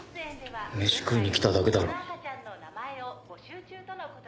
飯食いに来ただけだろ。